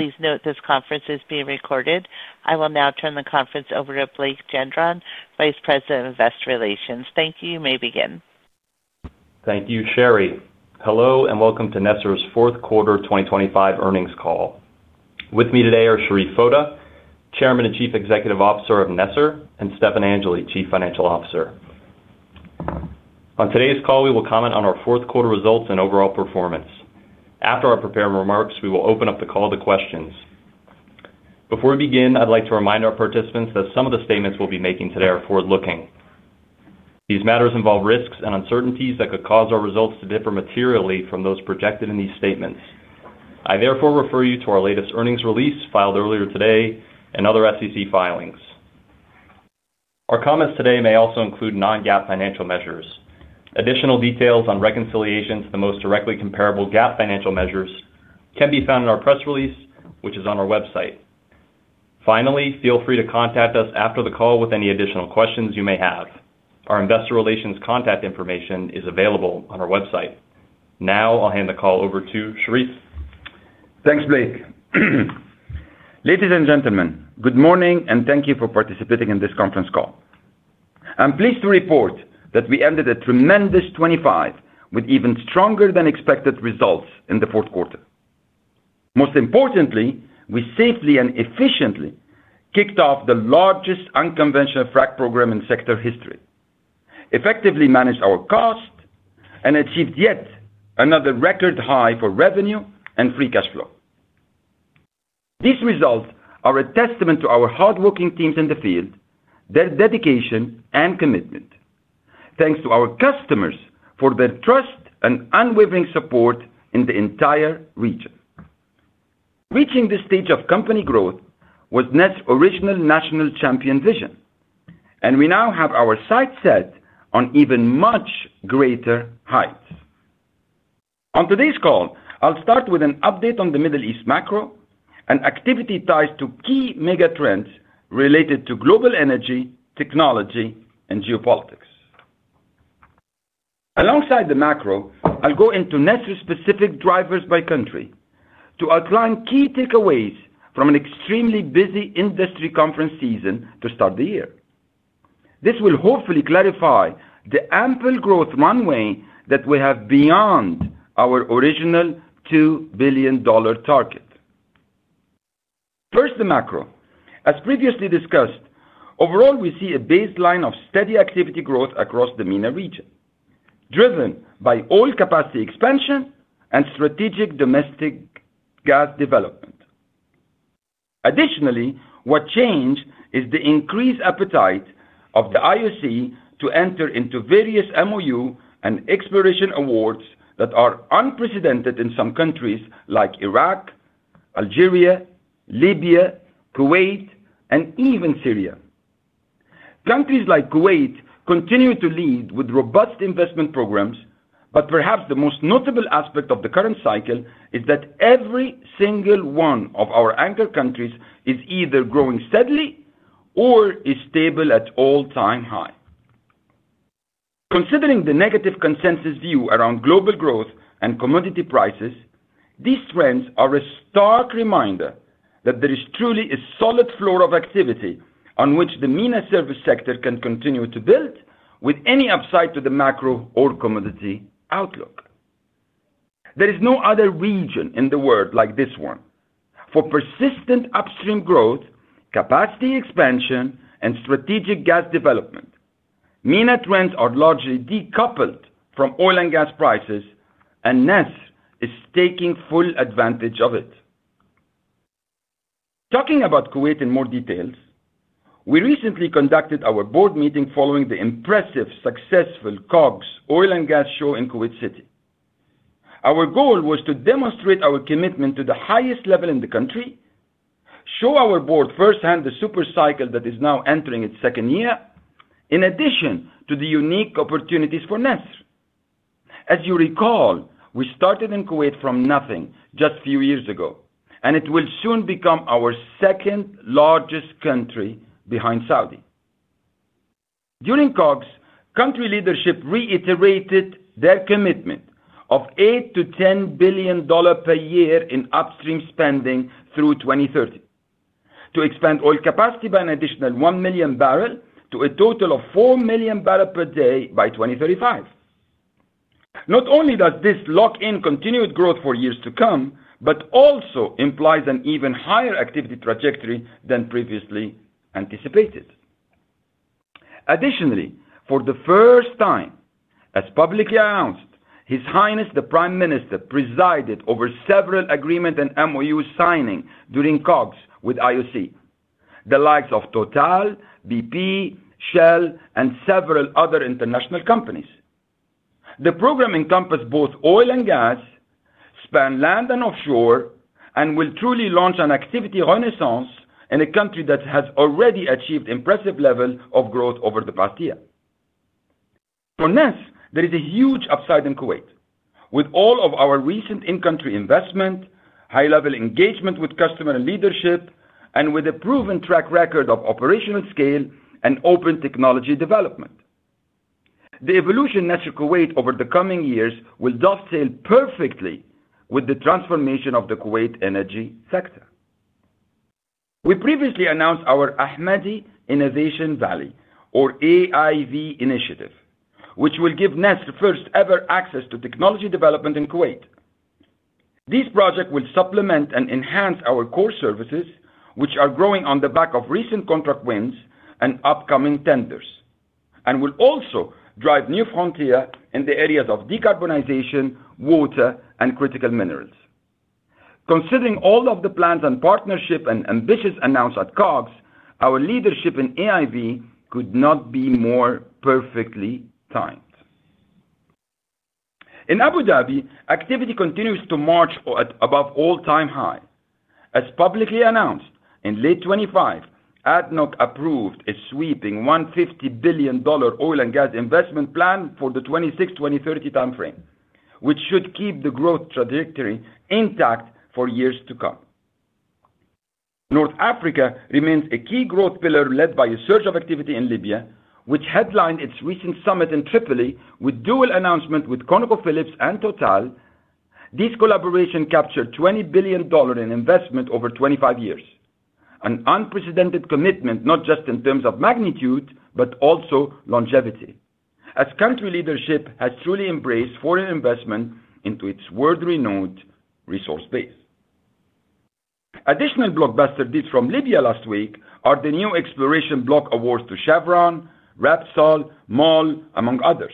Please note this conference is being recorded. I will now turn the conference over to Blake Gendron, Vice President of Investor Relations. Thank you. You may begin. Thank you, Sherry. Hello, and welcome to NESR's fourth quarter 2025 earnings call. With me today are Sherif Foda, Chairman and Chief Executive Officer of NESR, and Stefan Angeli, Chief Financial Officer. On today's call, we will comment on our fourth quarter results and overall performance. After our prepared remarks, we will open up the call to questions. Before we begin, I'd like to remind our participants that some of the statements we'll be making today are forward-looking. These matters involve risks and uncertainties that could cause our results to differ materially from those projected in these statements. I therefore refer you to our latest earnings release, filed earlier today and other SEC filings. Our comments today may also include non-GAAP financial measures. Additional details on reconciliations to the most directly comparable GAAP financial measures can be found in our press release, which is on our website. Finally, feel free to contact us after the call with any additional questions you may have. Our investor relations contact information is available on our website. Now I'll hand the call over to Sherif. Thanks, Blake. Ladies and gentlemen, good morning, and thank you for participating in this conference call. I'm pleased to report that we ended a tremendous 2025 with even stronger than expected results in the fourth quarter. Most importantly, we safely and efficiently kicked off the largest unconventional frack program in sector history, effectively managed our cost, and achieved yet another record high for revenue and free cash flow. These results are a testament to our hardworking teams in the field, their dedication, and commitment. Thanks to our customers for their trust and unwavering support in the entire region. Reaching this stage of company growth was NESR's original national champion vision, and we now have our sights set on even much greater heights. On today's call, I'll start with an update on the Middle East macro and activity ties to key mega trends related to global energy, technology, and geopolitics. Alongside the macro, I'll go into NESR's specific drivers by country to outline key takeaways from an extremely busy industry conference season to start the year. This will hopefully clarify the ample growth runway that we have beyond our original $2 billion target. First, the macro. As previously discussed, overall, we see a baseline of steady activity growth across the MENA region, driven by oil capacity expansion and strategic domestic gas development. Additionally, what changed is the increased appetite of the IOC to enter into various MoU and exploration awards that are unprecedented in some countries like Iraq, Algeria, Libya, Kuwait, and even Syria. Countries like Kuwait continue to lead with robust investment programs, but perhaps the most notable aspect of the current cycle is that every single one of our anchor countries is either growing steadily or is stable at all-time high. Considering the negative consensus view around global growth and commodity prices, these trends are a stark reminder that there is truly a solid floor of activity on which the MENA service sector can continue to build with any upside to the macro or commodity outlook. There is no other region in the world like this one. For persistent upstream growth, capacity expansion, and strategic gas development, MENA trends are largely decoupled from oil and gas prices, and NESR is taking full advantage of it. Talking about Kuwait in more details, we recently conducted our board meeting following the impressive, successful KOGS Oil and Gas Show in Kuwait City. Our goal was to demonstrate our commitment to the highest level in the country, show our board firsthand the super cycle that is now entering its second year, in addition to the unique opportunities for NESR. As you recall, we started in Kuwait from nothing just a few years ago, and it will soon become our second-largest country behind Saudi. During KOGHS, country leadership reiterated their commitment of $8 billion-$10 billion per year in upstream spending through 2030, to expand oil capacity by an additional 1 million barrels to a total of 4 million barrels per day by 2035. Not only does this lock in continued growth for years to come, but also implies an even higher activity trajectory than previously anticipated. Additionally, for the first time, as publicly announced, His Highness, the Prime Minister, presided over several agreement and MoU signing during KOGHS with IOC, the likes of Total, BP, Shell, and several other international companies. The program encompassed both oil and gas, spanned land and offshore, and will truly launch an activity renaissance in a country that has already achieved impressive levels of growth over the past year. For NESR, there is a huge upside in Kuwait. With all of our recent in-country investment, high-level engagement with customer and leadership, and with a proven track record of operational scale and open technology development.... The evolution of Kuwait over the coming years will dovetail perfectly with the transformation of the Kuwait energy sector. We previously announced our Ahmadi Innovation Valley, or AIV initiative, which will give NESR the first-ever access to technology development in Kuwait. This project will supplement and enhance our core services, which are growing on the back of recent contract wins and upcoming tenders, and will also drive new frontier in the areas of decarbonization, water, and critical minerals. Considering all of the plans and partnership and ambitious announced at KOGHS, our leadership in AIV could not be more perfectly timed. In Abu Dhabi, activity continues to march or at above all-time high. As publicly announced, in late 2025, ADNOC approved a sweeping $150 billion oil and gas investment plan for the 2026-2030 time frame, which should keep the growth trajectory intact for years to come. North Africa remains a key growth pillar led by a surge of activity in Libya, which headlined its recent summit in Tripoli with dual announcement with ConocoPhillips and Total. This collaboration captured $20 billion in investment over 25 years. An unprecedented commitment, not just in terms of magnitude, but also longevity, as country leadership has truly embraced foreign investment into its world-renowned resource base. Additional blockbuster deals from Libya last week are the new exploration block awards to Chevron, Repsol, MOL, among others.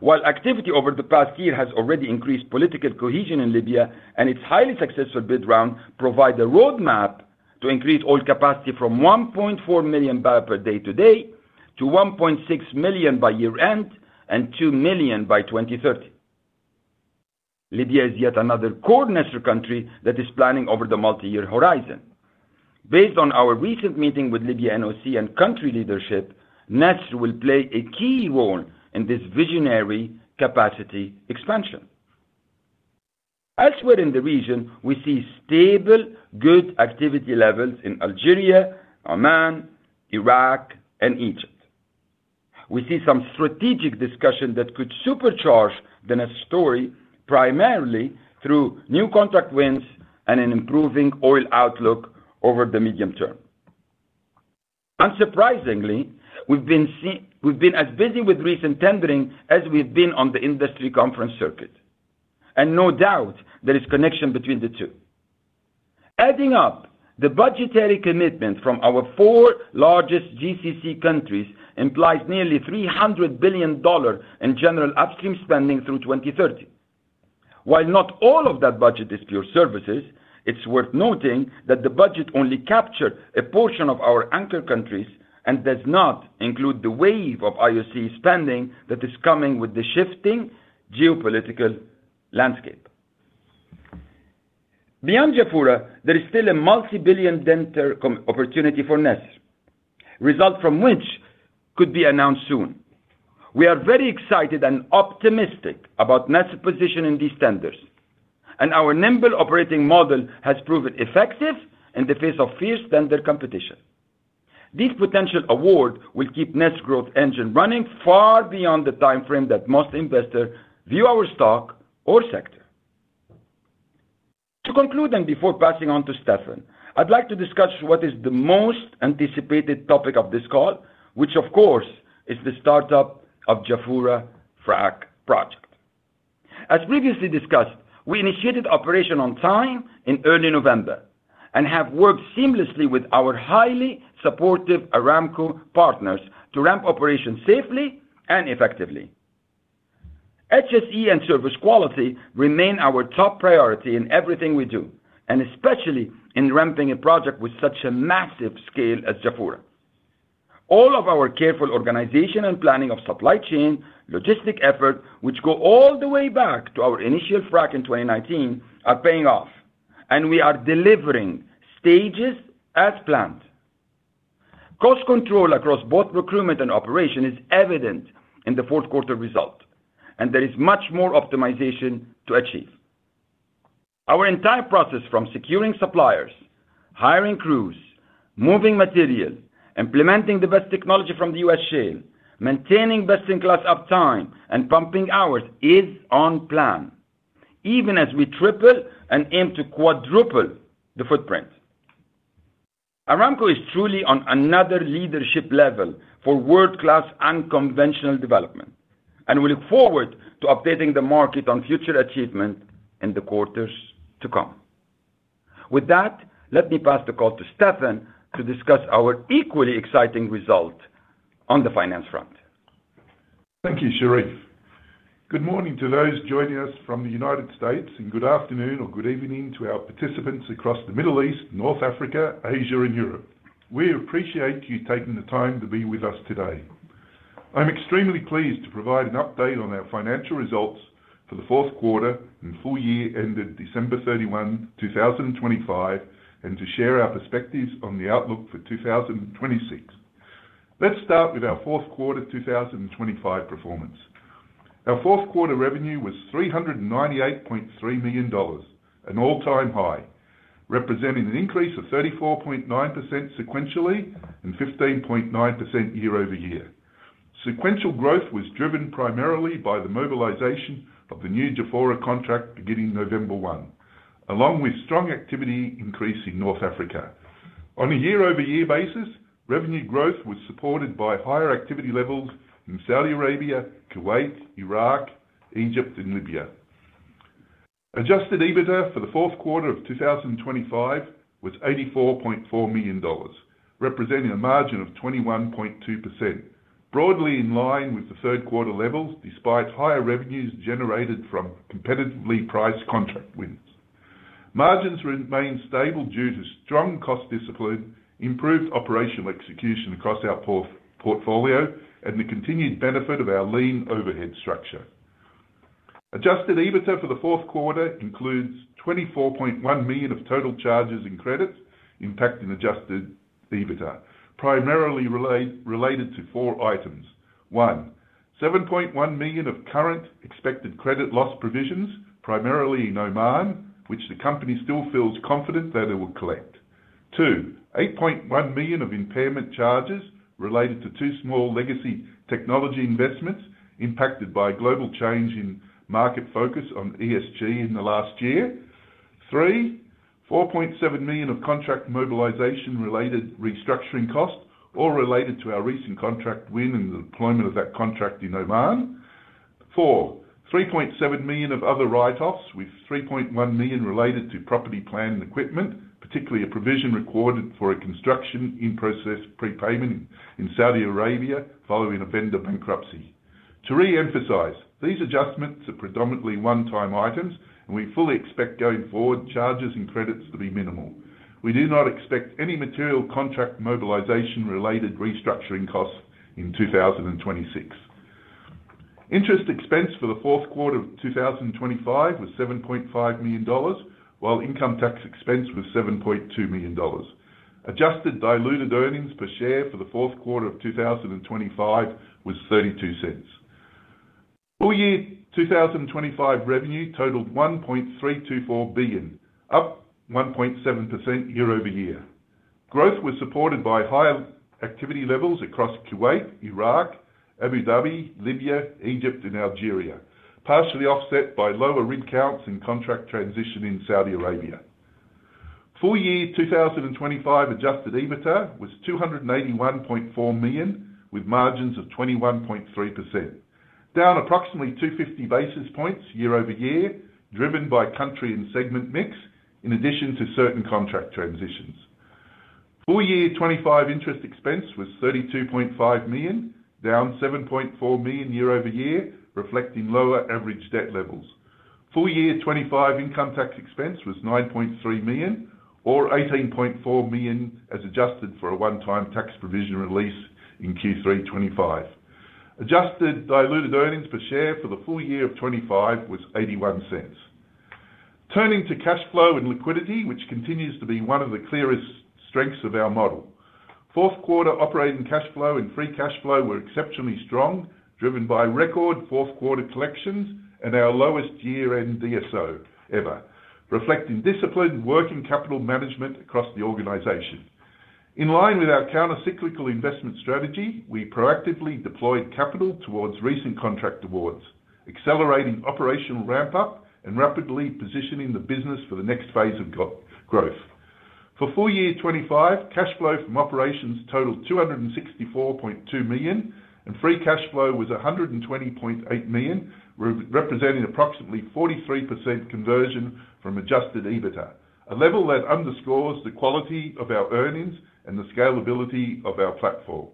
While activity over the past year has already increased political cohesion in Libya and its highly successful bid round provide a roadmap to increase oil capacity from 1.4 million barrels per day today to 1.6 million by year-end and 2 million by 2030. Libya is yet another core NESR country that is planning over the multi-year horizon. Based on our recent meeting with Libya, NOC, and country leadership, NESR will play a key role in this visionary capacity expansion. Elsewhere in the region, we see stable, good activity levels in Algeria, Oman, Iraq, and Egypt. We see some strategic discussion that could supercharge the NESR story, primarily through new contract wins and an improving oil outlook over the medium term. Unsurprisingly, we've been as busy with recent tendering as we've been on the industry conference circuit, and no doubt there is connection between the two. Adding up the budgetary commitment from our four largest GCC countries implies nearly $300 billion in general upstream spending through 2030. While not all of that budget is pure services, it's worth noting that the budget only captured a portion of our anchor countries and does not include the wave of IOC spending that is coming with the shifting geopolitical landscape. Beyond Jafurah, there is still a multi-billion tender opportunity for NESR, results from which could be announced soon. We are very excited and optimistic about NESR's position in these tenders, and our nimble operating model has proven effective in the face of fierce tender competition. This potential award will keep NESR's growth engine running far beyond the timeframe that most investors view our stock or sector. To conclude, and before passing on to Stefan, I'd like to discuss what is the most anticipated topic of this call, which of course, is the startup of Jafurah Frac project. As previously discussed, we initiated operation on time in early November and have worked seamlessly with our highly supportive Aramco partners to ramp operations safely and effectively. HSE and service quality remain our top priority in everything we do, and especially in ramping a project with such a massive scale as Jafurah. All of our careful organization and planning of supply chain, logistic effort, which go all the way back to our initial frac in 2019, are paying off, and we are delivering stages as planned. Cost control across both recruitment and operation is evident in the fourth quarter result, and there is much more optimization to achieve. Our entire process, from securing suppliers, hiring crews, moving materials, implementing the best technology from the U.S. shale, maintaining best-in-class uptime and pumping hours, is on plan, even as we triple and aim to quadruple the footprint. Aramco is truly on another leadership level for world-class unconventional development, and we look forward to updating the market on future achievement in the quarters to come. With that, let me pass the call to Stefan to discuss our equally exciting result on the finance front. Thank you, Sherif. Good morning to those joining us from the United States, and good afternoon or good evening to our participants across the Middle East, North Africa, Asia, and Europe. We appreciate you taking the time to be with us today. I'm extremely pleased to provide an update on our financial results for the fourth quarter and full year ended December 31, 2025, and to share our perspectives on the outlook for 2026. Let's start with our fourth quarter 2025 performance.... Our fourth quarter revenue was $398.3 million, an all-time high, representing an increase of 34.9% sequentially and 15.9% year-over-year. Sequential growth was driven primarily by the mobilization of the new Jafurah contract beginning November 1, along with strong activity increase in North Africa. On a year-over-year basis, revenue growth was supported by higher activity levels in Saudi Arabia, Kuwait, Iraq, Egypt, and Libya. Adjusted EBITDA for the fourth quarter of 2025 was $84.4 million, representing a margin of 21.2%, broadly in line with the third quarter levels, despite higher revenues generated from competitively priced contract wins. Margins remained stable due to strong cost discipline, improved operational execution across our portfolio, and the continued benefit of our lean overhead structure. Adjusted EBITDA for the fourth quarter includes $24.1 million of total charges and credits impacting adjusted EBITDA, primarily related to four items: One, $7.1 million of current expected credit loss provisions, primarily in Oman, which the company still feels confident that it will collect. Two, $8.1 million of impairment charges related to two small legacy technology investments impacted by global change in market focus on ESG in the last year. Three, $4.7 million of contract mobilization related restructuring costs, all related to our recent contract win and the deployment of that contract in Oman. Four, $3.7 million of other write-offs, with $3.1 million related to property, plant, and equipment, particularly a provision recorded for a construction in-process prepayment in Saudi Arabia following a vendor bankruptcy. To re-emphasize, these adjustments are predominantly one-time items, and we fully expect, going forward, charges and credits to be minimal. We do not expect any material contract mobilization related restructuring costs in 2026. Interest expense for the fourth quarter of 2025 was $7.5 million, while income tax expense was $7.2 million. Adjusted diluted earnings per share for the fourth quarter of 2025 was $0.32. Full year 2025 revenue totaled $1.324 billion, up 1.7% year-over-year. Growth was supported by higher activity levels across Kuwait, Iraq, Abu Dhabi, Libya, Egypt, and Algeria, partially offset by lower rig counts and contract transition in Saudi Arabia. Full year 2025 adjusted EBITDA was $281.4 million, with margins of 21.3%, down approximately 250 basis points year-over-year, driven by country and segment mix, in addition to certain contract transitions. Full year 2025 interest expense was $32.5 million, down $7.4 million year-over-year, reflecting lower average debt levels. Full year 2025 income tax expense was $9.3 million or $18.4 million, as adjusted for a one-time tax provision release in Q3 2025. Adjusted diluted earnings per share for the full year of 2025 was $0.81. Turning to cash flow and liquidity, which continues to be one of the clearest strengths of our model. Fourth quarter operating cash flow and free cash flow were exceptionally strong, driven by record fourth quarter collections and our lowest year-end DSO ever, reflecting disciplined working capital management across the organization. In line with our countercyclical investment strategy, we proactively deployed capital towards recent contract awards, accelerating operational ramp-up and rapidly positioning the business for the next phase of growth. For full year 2025, cash flow from operations totaled $264.2 million, and free cash flow was $120.8 million, representing approximately 43% conversion from adjusted EBITDA, a level that underscores the quality of our earnings and the scalability of our platform.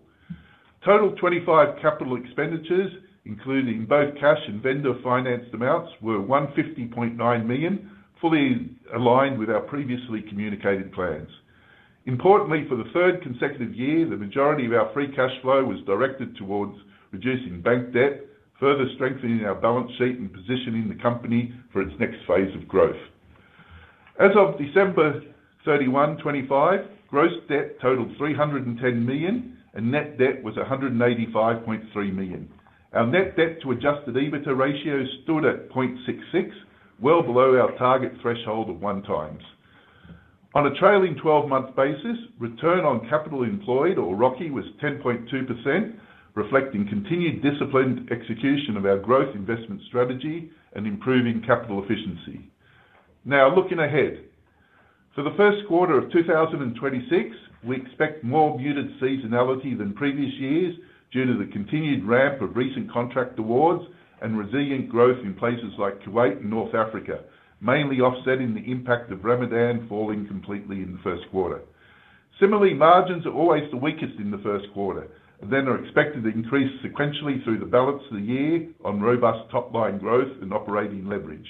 Total 2025 capital expenditures, including both cash and vendor financed amounts, were $150.9 million, fully aligned with our previously communicated plans. Importantly, for the third consecutive year, the majority of our free cash flow was directed towards reducing bank debt, further strengthening our balance sheet and positioning the company for its next phase of growth. As of December 31, 2025, gross debt totaled $310 million, and net debt was $185.3 million. Our net debt to adjusted EBITDA ratio stood at 0.66, well below our target threshold of 1x. On a trailing twelve-month basis, return on capital employed or ROCE was 10.2%, reflecting continued disciplined execution of our growth investment strategy and improving capital efficiency. Now, looking ahead. For the first quarter of 2026, we expect more muted seasonality than previous years due to the continued ramp of recent contract awards and resilient growth in places like Kuwait and North Africa, mainly offsetting the impact of Ramadan falling completely in the first quarter. Similarly, margins are always the weakest in the first quarter and then are expected to increase sequentially through the balance of the year on robust top-line growth and operating leverage.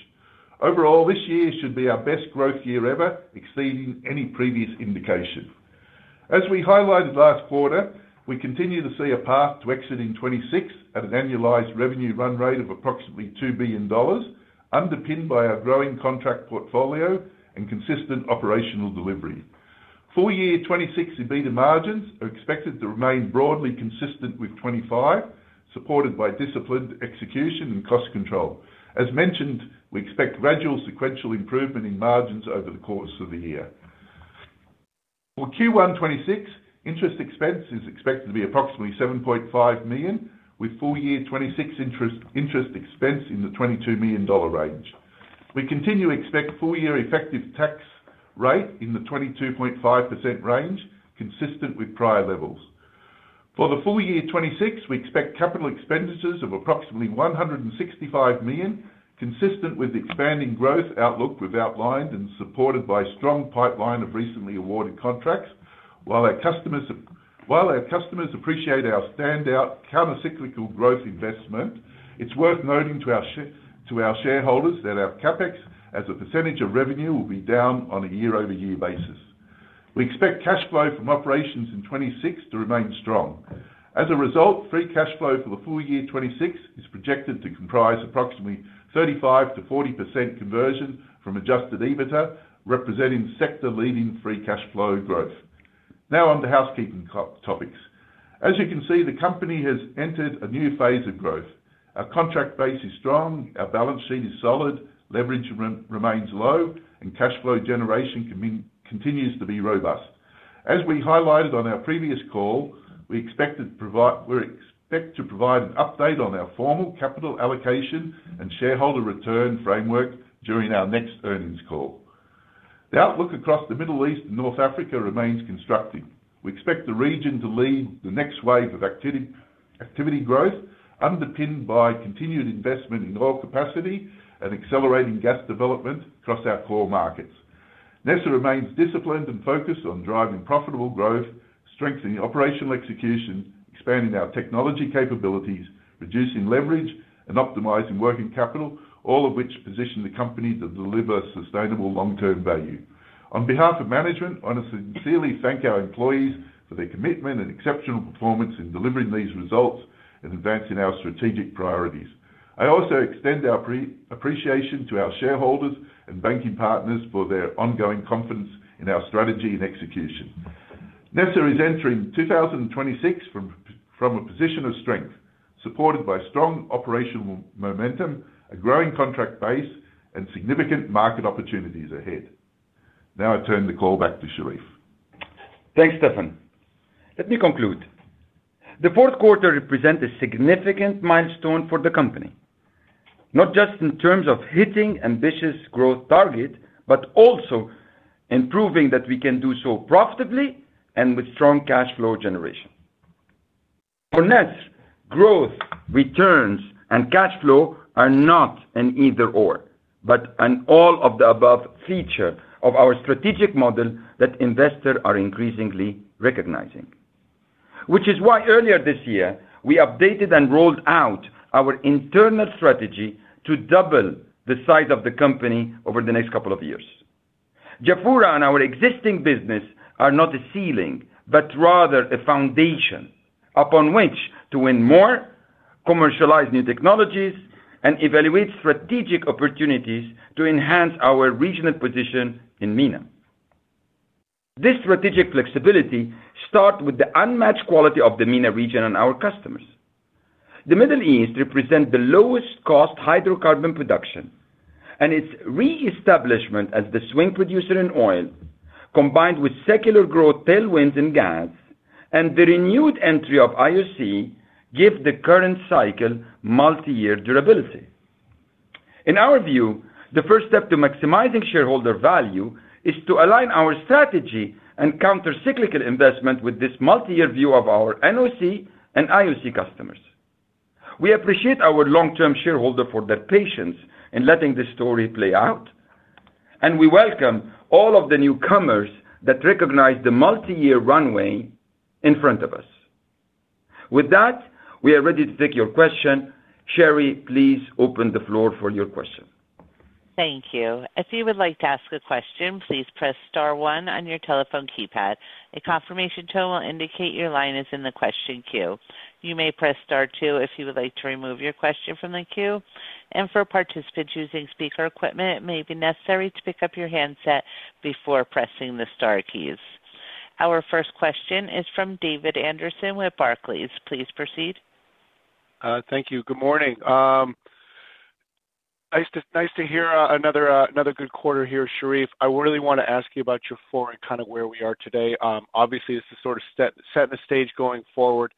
Overall, this year should be our best growth year ever, exceeding any previous indication. As we highlighted last quarter, we continue to see a path to exiting 2026 at an annualized revenue run rate of approximately $2 billion, underpinned by our growing contract portfolio and consistent operational delivery. Full year 2026 EBITDA margins are expected to remain broadly consistent with 2025, supported by disciplined execution and cost control. As mentioned, we expect gradual sequential improvement in margins over the course of the year. For Q1 2026, interest expense is expected to be approximately $7.5 million, with full year 2026 interest, interest expense in the $22 million range. We continue to expect full year effective tax rate in the 22.5% range, consistent with prior levels. For the full year 2026, we expect capital expenditures of approximately $165 million, consistent with the expanding growth outlook we've outlined and supported by strong pipeline of recently awarded contracts. While our customers appreciate our standout countercyclical growth investment, it's worth noting to our shareholders that our CapEx as a percentage of revenue will be down on a year-over-year basis. We expect cash flow from operations in 2026 to remain strong. As a result, free cash flow for the full year 2026 is projected to comprise approximately 35%-40% conversion from adjusted EBITDA, representing sector-leading free cash flow growth. Now on to housekeeping topics. As you can see, the company has entered a new phase of growth. Our contract base is strong, our balance sheet is solid, leverage remains low, and cash flow generation continues to be robust. As we highlighted on our previous call, we expect to provide an update on our formal capital allocation and shareholder return framework during our next earnings call. The outlook across the Middle East and North Africa remains constructive. We expect the region to lead the next wave of activity, activity growth, underpinned by continued investment in oil capacity and accelerating gas development across our core markets. NESR remains disciplined and focused on driving profitable growth, strengthening operational execution, expanding our technology capabilities, reducing leverage, and optimizing working capital, all of which position the company to deliver sustainable long-term value. On behalf of management, I want to sincerely thank our employees for their commitment and exceptional performance in delivering these results and advancing our strategic priorities. I also extend our appreciation to our shareholders and banking partners for their ongoing confidence in our strategy and execution. NESR is entering 2026 from a position of strength, supported by strong operational momentum, a growing contract base, and significant market opportunities ahead. Now I turn the call back to Sherif. Thanks, Stefan. Let me conclude. The fourth quarter represents a significant milestone for the company, not just in terms of hitting ambitious growth target, but also in proving that we can do so profitably and with strong cash flow generation. For NESR, growth, returns, and cash flow are not an either/or, but an all of the above feature of our strategic model that investors are increasingly recognizing. Which is why earlier this year, we updated and rolled out our internal strategy to double the size of the company over the next couple of years. Jafurah and our existing business are not a ceiling, but rather a foundation upon which to win more, commercialize new technologies, and evaluate strategic opportunities to enhance our regional position in MENA. This strategic flexibility starts with the unmatched quality of the MENA region and our customers. The Middle East represents the lowest cost hydrocarbon production, and its reestablishment as the swing producer in oil, combined with secular growth tailwinds in gas, and the renewed entry of IOC, give the current cycle multi-year durability. In our view, the first step to maximizing shareholder value is to align our strategy and countercyclical investment with this multi-year view of our NOC and IOC customers. We appreciate our long-term shareholders for their patience in letting this story play out, and we welcome all of the newcomers that recognize the multi-year runway in front of us. With that, we are ready to take your questions. Sherry, please open the floor for your questions. Thank you. If you would like to ask a question, please press star one on your telephone keypad. A confirmation tone will indicate your line is in the question queue. You may press star two if you would like to remove your question from the queue. For participants using speaker equipment, it may be necessary to pick up your handset before pressing the star keys. Our first question is from David Anderson with Barclays. Please proceed. Thank you. Good morning. Nice to hear another good quarter here, Sherif. I really want to ask you about Jubail and kind of where we are today. Obviously, it's to sort of set the stage going forward.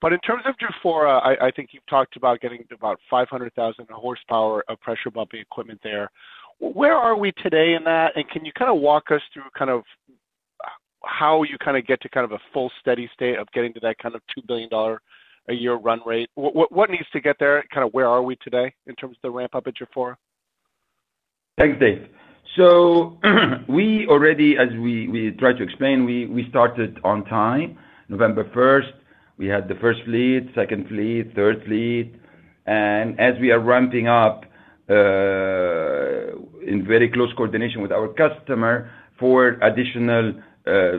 But in terms of Jubail, I think you've talked about getting to about 500,000 horsepower of pressure pumping equipment there. Where are we today in that? And can you kind of walk us through kind of how you kind of get to kind of a full, steady state of getting to that kind of $2 billion a year run rate? What needs to get there? Kind of where are we today in terms of the ramp-up at Jubail? Thanks, Dave. So we already as we tried to explain, we started on time. November first, we had the first fleet, second fleet, third fleet. And as we are ramping up in very close coordination with our customer for additional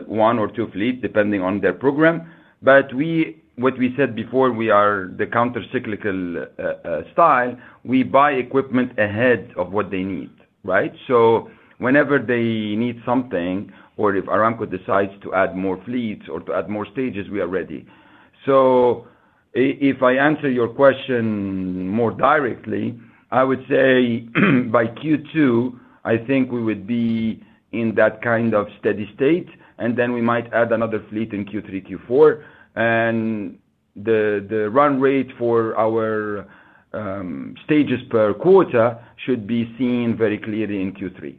one or two fleet, depending on their program. But what we said before, we are the countercyclical style. We buy equipment ahead of what they need, right? So whenever they need something, or if Aramco decides to add more fleets or to add more stages, we are ready. So if I answer your question more directly, I would say, by Q2, I think we would be in that kind of steady state, and then we might add another fleet in Q3, Q4. And the run rate for our stages per quarter should be seen very clearly in Q3.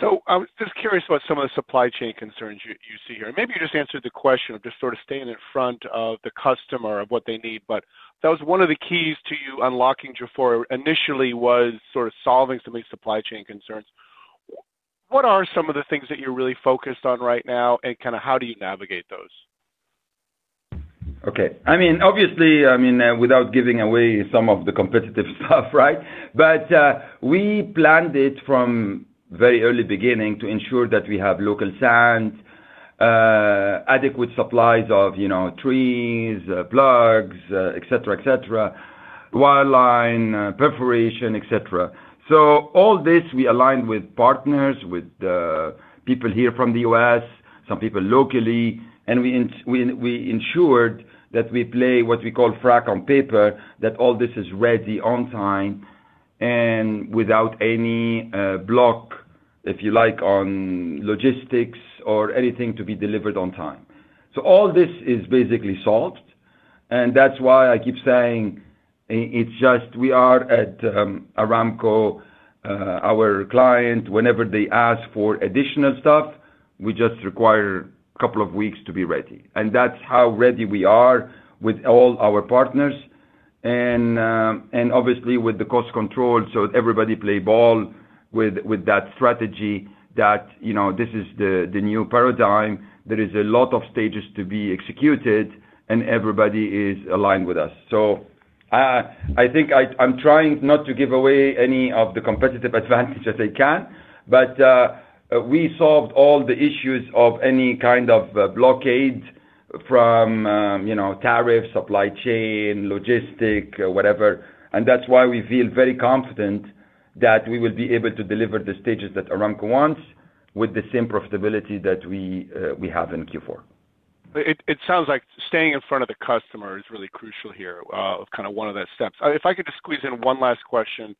So I was just curious about some of the supply chain concerns you, you see here. Maybe you just answered the question of just sort of staying in front of the customer of what they need, but that was one of the keys to you unlocking Jafurah initially was sort of solving some of the supply chain concerns. What are some of the things that you're really focused on right now, and kind of how do you navigate those? Okay. I mean, obviously, I mean, without giving away some of the competitive stuff, right? But we planned it from very early beginning to ensure that we have local sand, adequate supplies of, you know, trees, plugs, et cetera, et cetera, wireline, perforation, et cetera. So all this, we aligned with partners, with people here from the U.S., some people locally, and we ensured that we play what we call frack on paper, that all this is ready on time and without any block, if you like, on logistics or anything to be delivered on time. So all this is basically solved, and that's why I keep saying it's just we are at Aramco, our client, whenever they ask for additional stuff, we just require a couple of weeks to be ready. And that's how ready we are with all our partners and, and obviously with the cost control. So everybody play ball with, with that strategy that, you know, this is the, the new paradigm. There is a lot of stages to be executed and everybody is aligned with us. So, I think I'm trying not to give away any of the competitive advantage as I can, but, we solved all the issues of any kind of, blockade from, you know, tariffs, supply chain, logistic, whatever. And that's why we feel very confident that we will be able to deliver the stages that Aramco wants with the same profitability that we, we have in Q4. It sounds like staying in front of the customer is really crucial here, kind of one of the steps. If I could just squeeze in one last question.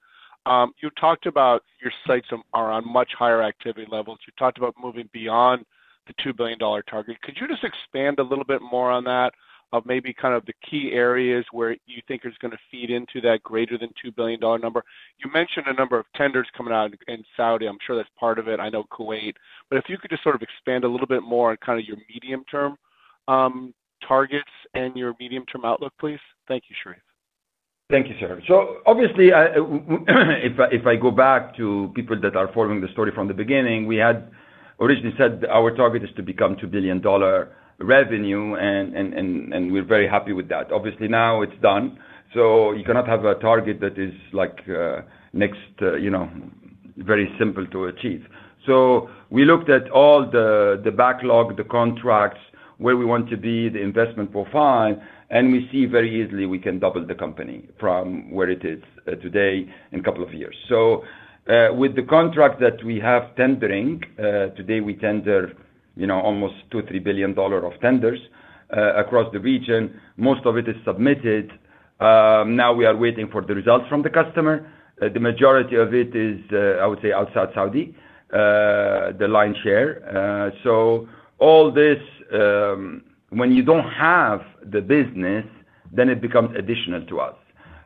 You talked about your sights are on much higher activity levels. You talked about moving beyond the $2 billion target. Could you just expand a little bit more on that, of maybe kind of the key areas where you think it's gonna feed into that greater than $2 billion number? You mentioned a number of tenders coming out in Saudi. I'm sure that's part of it. I know Kuwait. But if you could just sort of expand a little bit more on kind of your medium-term targets and your medium-term outlook, please. Thank you, Sherif. Thank you, sir. So obviously, if I, if I go back to people that are following the story from the beginning, we had originally said our target is to become $2 billion revenue, and we're very happy with that. Obviously, now it's done, so you cannot have a target that is like next, you know, very simple to achieve. So we looked at all the backlog, the contracts, where we want to be, the investment profile, and we see very easily we can double the company from where it is today in a couple of years. So, with the contract that we have tendering today, we tender, you know, almost $2 billion-$3 billion of tenders across the region. Most of it is submitted. Now we are waiting for the results from the customer. The majority of it is, I would say, outside Saudi, the lion's share. So all this, when you don't have the business, then it becomes additional to us.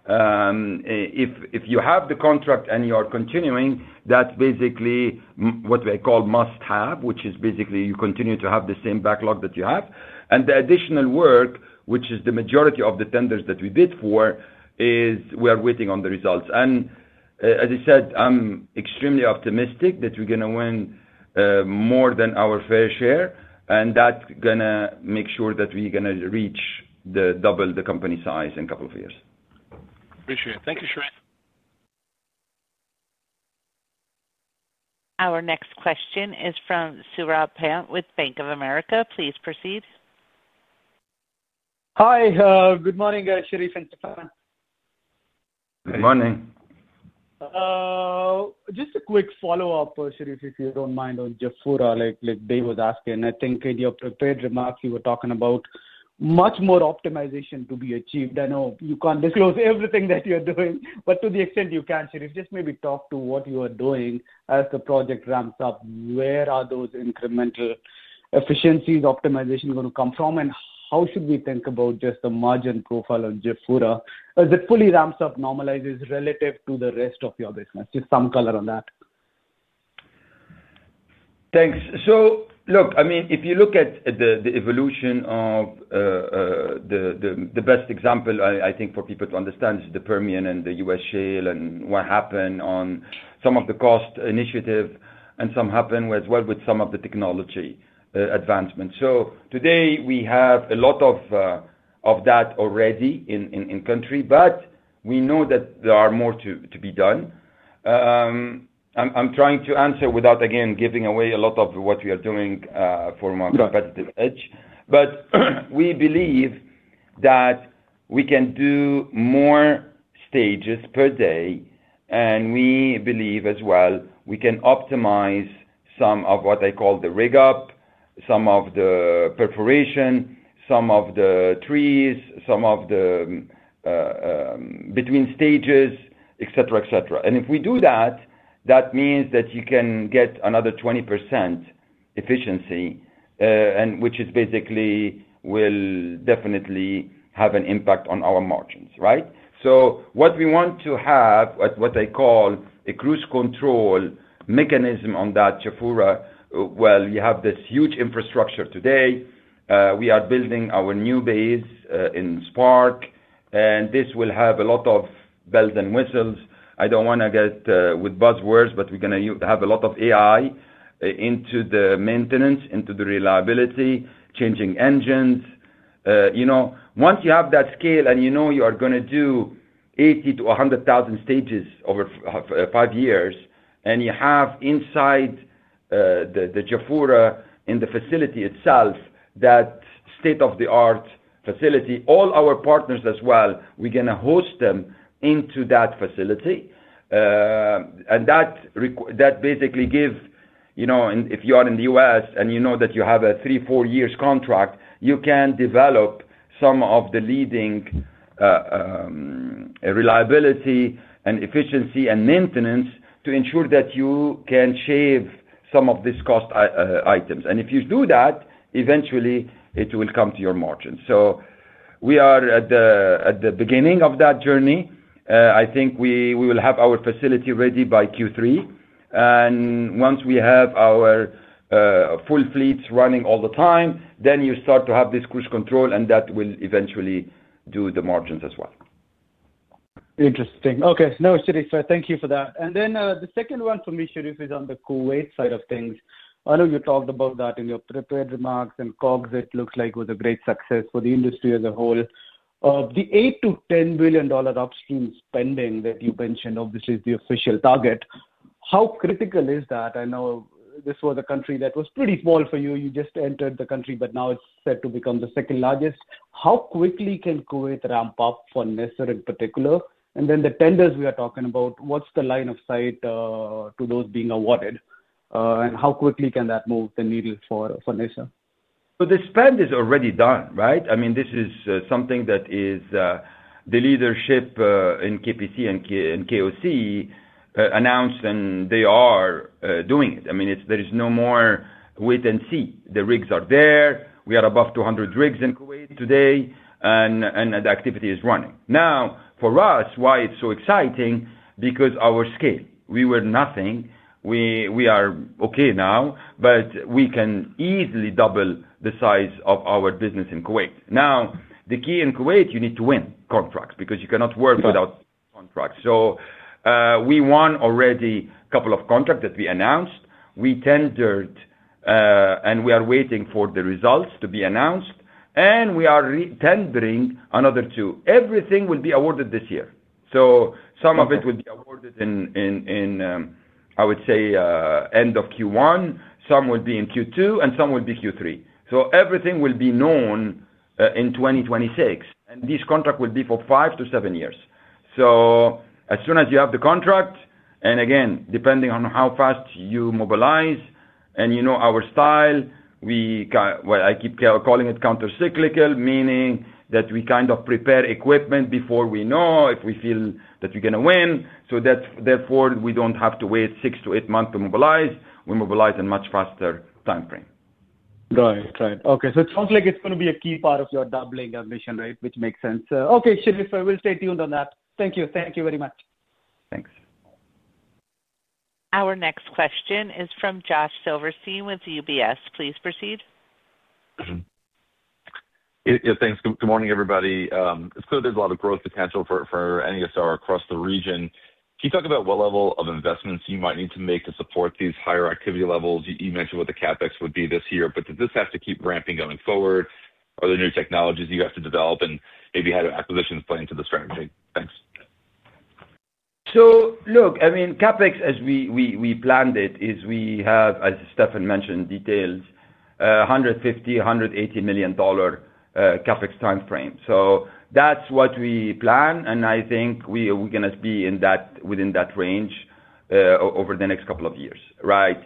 If you have the contract and you are continuing, that's basically what we call must-have, which is basically you continue to have the same backlog that you have. And the additional work, which is the majority of the tenders that we bid for, is we are waiting on the results. And, as I said, I'm extremely optimistic that we're gonna win, more than our fair share, and that's gonna make sure that we're gonna reach the double the company size in a couple of years. Appreciate it. Thank you, Sherif. Our next question is from Saurabh Pant with Bank of America. Please proceed. Hi, good morning, Sherif and Stefan. Good morning. Just a quick follow-up, Sherif, if you don't mind, on Jafurah, like, Dave was asking. I think in your prepared remarks, you were talking about much more optimization to be achieved. I know you can't disclose everything that you're doing, but to the extent you can, Sherif, just maybe talk to what you are doing as the project ramps up. Where are those incremental efficiencies, optimization going to come from, and how should we think about just the margin profile of Jafurah as it fully ramps up, normalizes relative to the rest of your business? Just some color on that. Thanks. So, look, I mean, if you look at the evolution of the best example, I think, for people to understand is the Permian and the U.S. shale and what happened on some of the cost initiative and some happened as well with some of the technology advancement. So today we have a lot of that already in country, but we know that there are more to be done. I'm trying to answer without, again, giving away a lot of what we are doing, for more- Right. competitive edge. But we believe that we can do more stages per day, and we believe as well, we can optimize some of what I call the rig up, some of the perforation, some of the trees, some of the between stages, et cetera, et cetera. And if we do that, that means that you can get another 20% efficiency, and which is basically will definitely have an impact on our margins, right? So what we want to have, what I call a cruise control mechanism on that Jafurah, where you have this huge infrastructure today, we are building our new base in SPARK, and this will have a lot of bells and whistles. I don't wanna get with buzzwords, but we're gonna have a lot of AI into the maintenance, into the reliability, changing engines. You know, once you have that scale and you know you are gonna do 80,000-100,000 stages over five years, and you have inside the Jafurah, in the facility itself, that state-of-the-art facility, all our partners as well, we're gonna host them into that facility. And that basically gives, you know, and if you are in the U.S., and you know that you have a three to four years contract, you can develop some of the leading reliability and efficiency and maintenance to ensure that you can shave some of these cost items. And if you do that, eventually it will come to your margin. So we are at the beginning of that journey. I think we will have our facility ready by Q3. Once we have our full fleets running all the time, then you start to have this cruise control, and that will eventually do the margins as well. Interesting. Okay. No, Shirish, so thank you for that. And then, the second one for me, Shirish, is on the Kuwait side of things. I know you talked about that in your prepared remarks, and KOGHS, it looks like, was a great success for the industry as a whole. The $8 billion-$10 billion upstream spending that you mentioned, obviously, is the official target. How critical is that? I know this was a country that was pretty small for you. You just entered the country, but now it's set to become the second largest. How quickly can Kuwait ramp up for NESR in particular? And then the tenders we are talking about, what's the line of sight, to those being awarded, and how quickly can that move the needle for, for NESR? The spend is already done, right? I mean, this is something that is the leadership in KPC and KOC announced, and they are doing it. I mean, it's-- there is no more wait and see. The rigs are there. We are above 200 rigs in Kuwait today, and the activity is running. Now, for us, why it's so exciting, because our scale. We were nothing. We are okay now, but we can easily double the size of our business in Kuwait. Now, the key in Kuwait, you need to win contracts because you cannot work without contracts. We won already a couple of contracts that we announced. We tendered, and we are waiting for the results to be announced, and we are re-tendering another two. Everything will be awarded this year. So some of it will be awarded in, I would say, end of Q1, some will be in Q2, and some will be Q3. So everything will be known in 2026, and this contract will be for five to seven years. So as soon as you have the contract, and again, depending on how fast you mobilize, and you know our style, well, I keep calling it countercyclical, meaning that we kind of prepare equipment before we know if we feel that we're gonna win, so that, therefore, we don't have to wait six to eight months to mobilize. We mobilize in much faster timeframe. Got it. Right. Okay, so it sounds like it's gonna be a key part of your doubling ambition, right? Which makes sense. Okay, Shirish, so we'll stay tuned on that. Thank you. Thank you very much. Thanks. Our next question is from Josh Silverstein with UBS. Please proceed. Yeah, yeah, thanks. Good, good morning, everybody. It's clear there's a lot of growth potential for NESR across the region. Can you talk about what level of investments you might need to make to support these higher activity levels? You mentioned what the CapEx would be this year, but does this have to keep ramping going forward? Are there new technologies you have to develop and maybe how do acquisitions play into the strategy? Thanks. So look, I mean, CapEx, as we planned it, is we have, as Stefan mentioned, detailed $150 million-$180 million CapEx timeframe. So that's what we plan, and I think we're gonna be within that range over the next couple of years, right?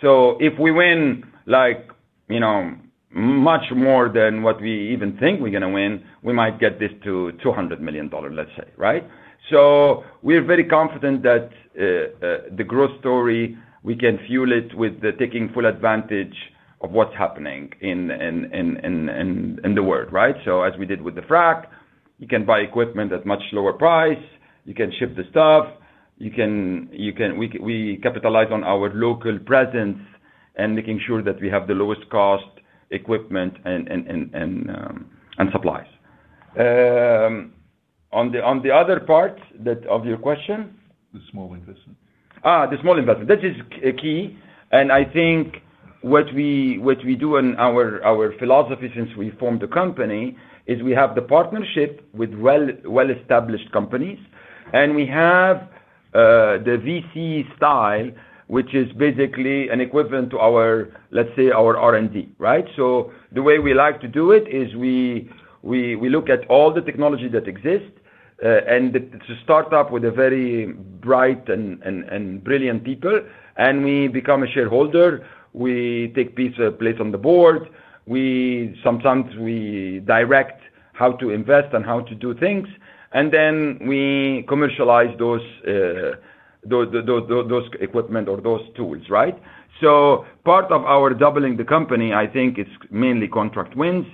So if we win, like, you know, much more than what we even think we're gonna win, we might get this to $200 million, let's say, right? So we're very confident that the growth story, we can fuel it with the taking full advantage of what's happening in the world, right? So as we did with the frack, you can buy equipment at much lower price, you can ship the stuff, you can—we capitalize on our local presence and making sure that we have the lowest cost equipment and supplies. On the other part of your question? The small investment. The small investment. This is key, and I think what we do and our philosophy since we formed the company is we have the partnership with well-established companies, and we have the VC style, which is basically an equivalent to our, let's say, our R&D, right? So the way we like to do it is we look at all the technology that exists, and it's a startup with a very bright and brilliant people, and we become a shareholder. We take piece, a place on the board. We sometimes direct how to invest and how to do things, and then we commercialize those equipment or those tools, right? So part of our doubling the company, I think, is mainly contract wins.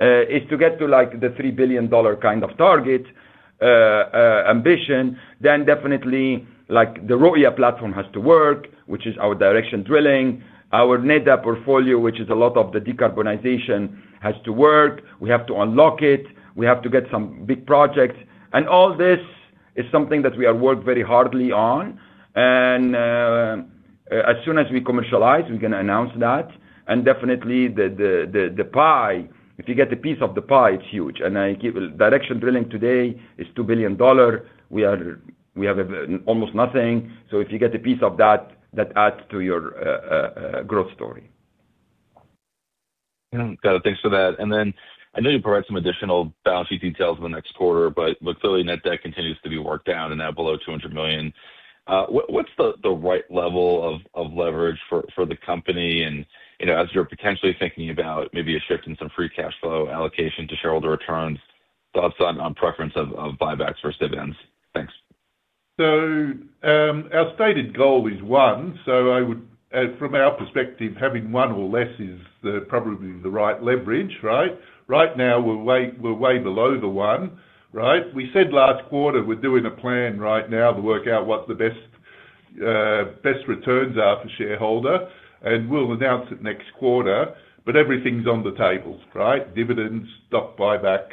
is to get to, like, the $3 billion kind of target, ambition, then definitely, like, the Roya platform has to work, which is our directional drilling. Our NEDA portfolio, which is a lot of the decarbonization, has to work. We have to unlock it, we have to get some big projects. And all this is something that we are worked very hardly on. And, as soon as we commercialize, we're gonna announce that. And definitely the pie, if you get a piece of the pie, it's huge. Directional drilling today is $2 billion. We have almost nothing. So if you get a piece of that, that adds to your growth story. Got it. Thanks for that. And then I know you provide some additional balance sheet details in the next quarter, but look, clearly, net debt continues to be worked down and now below $200 million. What, what's the, the right level of, of leverage for, for the company? And, you know, as you're potentially thinking about maybe a shift in some free cash flow allocation to shareholder returns, thoughts on, on preference of, of buybacks versus dividends. Thanks. Our stated goal is one. I would, from our perspective, having one or less is probably the right leverage, right? Right now, we're way, we're way below the one, right? We said last quarter, we're doing a plan right now to work out what the best, best returns are for shareholder, and we'll announce it next quarter, but everything's on the table, right? Dividends, stock buybacks,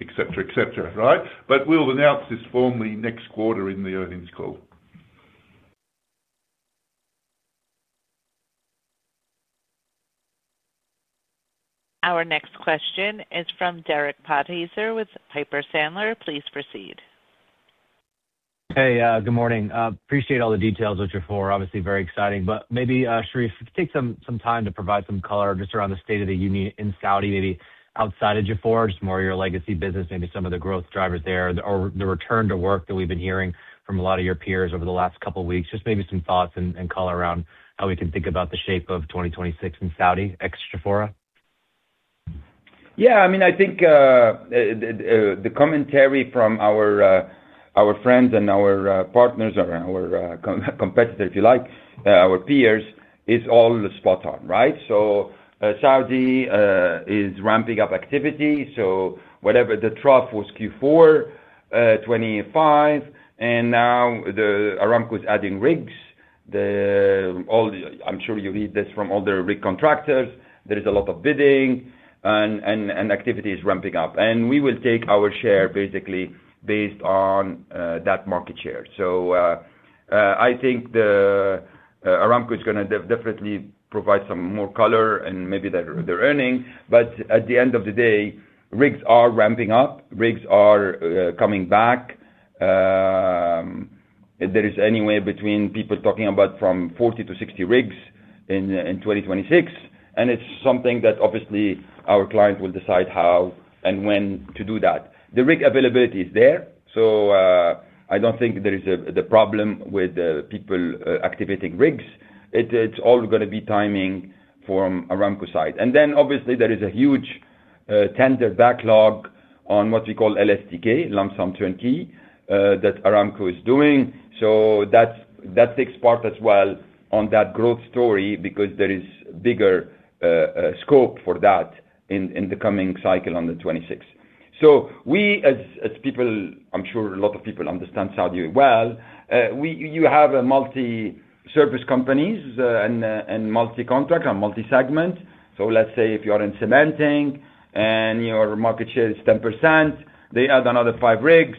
et cetera, et cetera, right? But we'll announce this formally next quarter in the earnings call. Our next question is from Derek Podhaizer with Piper Sandler. Please proceed. Hey, good morning. Appreciate all the details, which are four, obviously very exciting. But maybe, Sherif, take some time to provide some color just around the state of the union in Saudi, maybe outside of Jafurah, just more your legacy business, maybe some of the growth drivers there or the return to work that we've been hearing from a lot of your peers over the last couple of weeks. Just maybe some thoughts and color around how we can think about the shape of 2026 in Saudi, ex-Jafurah. Yeah, I mean, I think the commentary from our friends and our partners or our competitor, if you like, our peers, is all spot on, right? So, Saudi is ramping up activity, so whatever the trough was Q4 2025, and now Aramco is adding rigs. All the... I'm sure you read this from all the rig contractors. There is a lot of bidding and activity is ramping up. And we will take our share, basically, based on that market share. So, I think the Aramco is gonna definitely provide some more color and maybe their earnings. But at the end of the day, rigs are ramping up, rigs are coming back. There is anywhere between people talking about from 40 to 60 rigs in 2026, and it's something that obviously our clients will decide how and when to do that. The rig availability is there, so I don't think there is the problem with the people activating rigs. It's all gonna be timing from Aramco side. And then, obviously, there is a huge tender backlog on what we call LSTK, lump sum turnkey, that Aramco is doing. So that takes part as well on that growth story because there is bigger scope for that in the coming cycle on the 2026. So we as people, I'm sure a lot of people understand Saudi well, we you have multi-service companies, and multi-contract or multi-segment. So let's say if you are in cementing and your market share is 10%, they add another 5 rigs,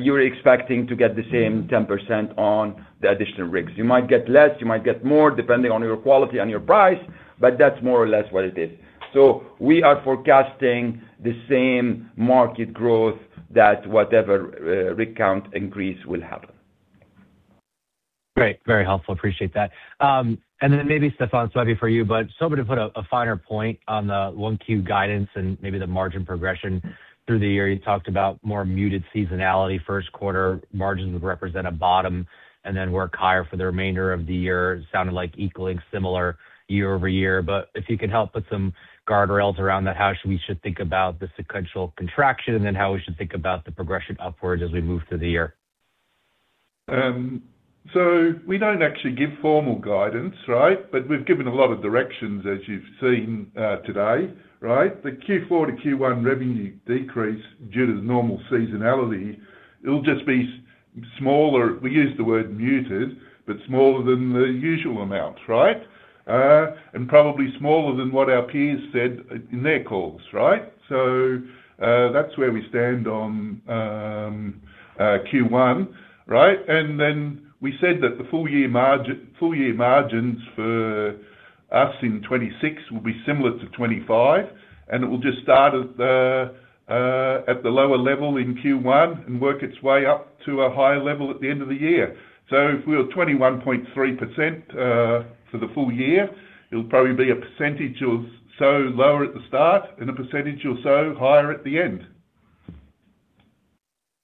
you're expecting to get the same 10% on the additional rigs. You might get less, you might get more, depending on your quality and your price, but that's more or less what it is. So we are forecasting the same market growth that whatever, rig count increase will happen. Great, very helpful. Appreciate that. And then maybe, Stefan, this might be for you, but so we're to put a finer point on the 1Q guidance and maybe the margin progression through the year. You talked about more muted seasonality. First quarter margins would represent a bottom and then work higher for the remainder of the year. It sounded like equaling similar year-over-year. But if you could help put some guardrails around that, how should we think about the sequential contraction and then how we should think about the progression upwards as we move through the year? So we don't actually give formal guidance, right? But we've given a lot of directions, as you've seen, today, right? The Q4 to Q1 revenue decrease due to the normal seasonality, it'll just be smaller. We use the word muted, but smaller than the usual amounts, right? And probably smaller than what our peers said in their calls, right? So, that's where we stand on, Q1, right? And then we said that the full year margin—full year margins for-... us in 2026 will be similar to 2025, and it will just start at the lower level in Q1 and work its way up to a higher level at the end of the year. So if we were 21.3%, for the full year, it'll probably be a percentage or so lower at the start and a percentage or so higher at the end.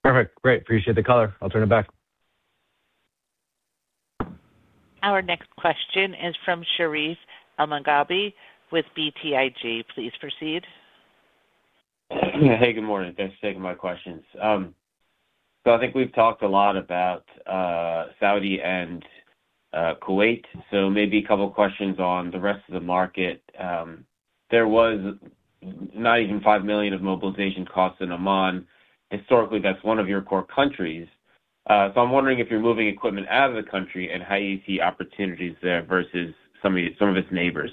Perfect. Great. Appreciate the color. I'll turn it back. Our next question is from Sherif Elmaghrabi with BTIG. Please proceed. Hey, good morning. Thanks for taking my questions. So I think we've talked a lot about Saudi and Kuwait, so maybe a couple of questions on the rest of the market. There was not even $5 million of mobilization costs in Oman. Historically, that's one of your core countries. So I'm wondering if you're moving equipment out of the country and how you see opportunities there versus some of its neighbors.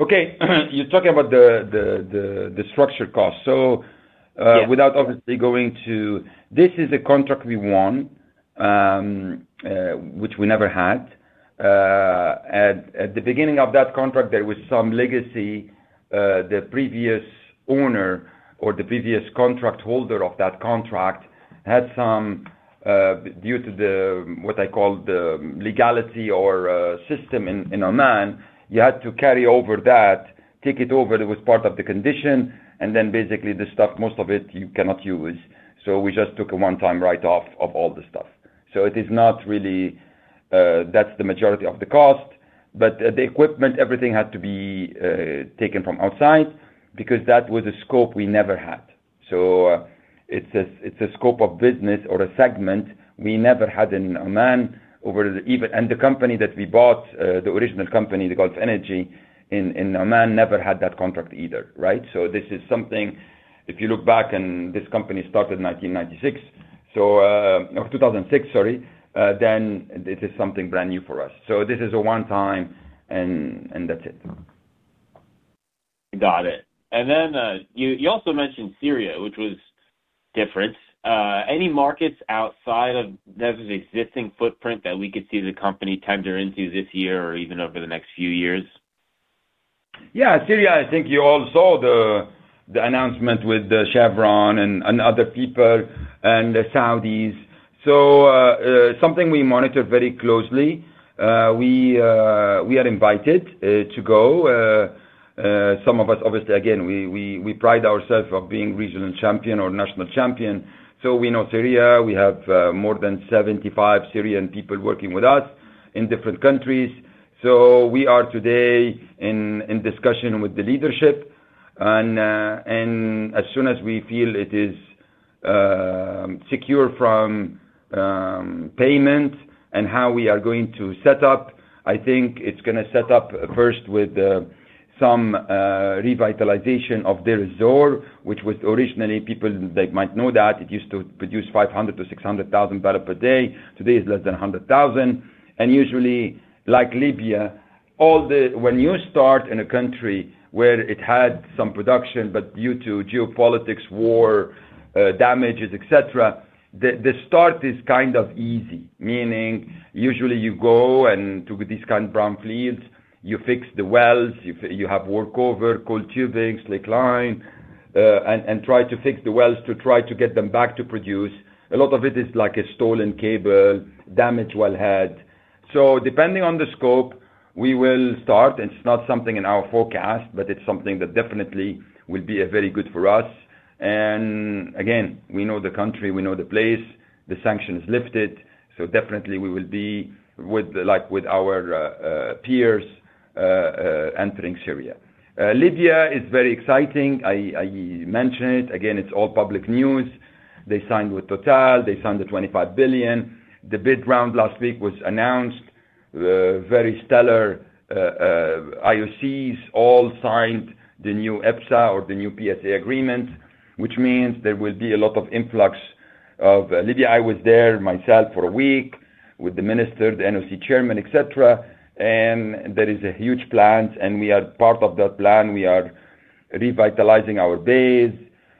Okay. You're talking about the structure cost. Yes. So, without obviously going to... This is a contract we won, which we never had. At the beginning of that contract, there was some legacy, the previous owner or the previous contract holder of that contract had some, due to the, what I call the legality or, system in Oman, you had to carry over that, take it over. It was part of the condition, and then basically the stuff, most of it, you cannot use. So we just took a one-time write-off of all the stuff. So it is not really, that's the majority of the cost, but the equipment, everything had to be taken from outside because that was a scope we never had. So it's a scope of business or a segment we never had in Oman, even. The company that we bought, the original company, the Gulf Energy, in Oman, never had that contract either, right? So this is something, if you look back, and this company started in 1996, so, or 2006, sorry, then this is something brand new for us. So this is a one time, and that's it. Got it. And then, you also mentioned Syria, which was different. Any markets outside of NESR's existing footprint that we could see the company tender into this year or even over the next few years? Yeah, Syria, I think you all saw the announcement with the Chevron and other people and the Saudis. So, something we monitor very closely. We are invited to go some of us, obviously, again, we pride ourselves of being regional champion or national champion. So we know Syria. We have more than 75 Syrian people working with us in different countries. So we are today in discussion with the leadership, and as soon as we feel it is secure from payment and how we are going to set up, I think it's gonna set up first with some revitalization of Deir ez-Zor, which was originally, people, they might know that it used to produce 500-600,000 barrels per day. Today, it's less than 100,000. Usually, like Libya, all the—when you start in a country where it had some production, but due to geopolitics, war, damages, et cetera, the start is kind of easy. Meaning, usually you go, and to this kind brown fields, you fix the wells, you have workover, coiled tubing, slickline, and try to fix the wells to try to get them back to produce. A lot of it is like a stolen cable, damaged wellhead. So depending on the scope, we will start, and it's not something in our forecast, but it's something that definitely will be very good for us. Again, we know the country, we know the place, the sanction is lifted, so definitely we will be with, like, with our peers entering Syria. Libya is very exciting. I mentioned it. Again, it's all public news. They signed with Total, they signed the $25 billion. The bid round last week was announced, very stellar. IOCs all signed the new EPSA or the new PSA agreement, which means there will be a lot of influx of... Libya, I was there myself for a week with the minister, the NOC chairman, et cetera, and there is a huge plan, and we are part of that plan. We are revitalizing our base.